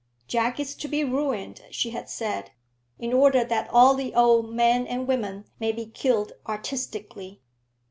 "Jack is to be ruined," she had said, "in order that all the old men and women may be killed artistically."